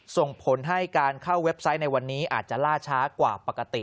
ส่งผลให้การเข้าเว็บไซต์ในวันนี้อาจจะล่าช้ากว่าปกติ